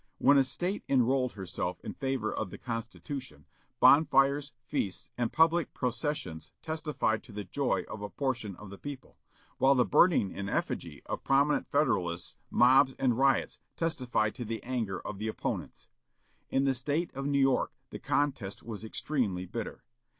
When a State enrolled herself in favor of the Constitution, bonfires, feasts, and public processions testified to the joy of a portion of the people; while the burning in effigy of prominent Federalists, mobs and riots, testified to the anger of the opponents. In the State of New York the contest was extremely bitter.